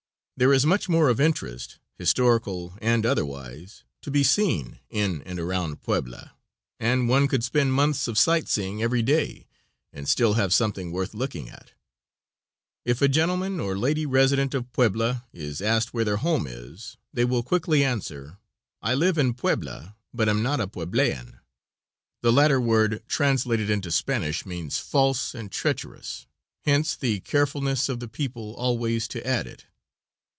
There is much more of interest, historical and otherwise, to be seen in and around Puebla, and one could spend months of sight seeing every day, and still have something worth looking at. If a gentleman or lady resident of Puebla is asked where their home is they will quickly answer, "I live in Puebla, but am not a Pueblaen." The latter word translated into Spanish means false and treacherous, hence the carefulness of the people always to add it.